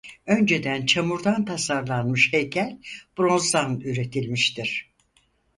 Önceden çamurdan tasarlanmış heykel bronzdan üretilmiştir.